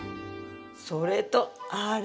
それとあれ！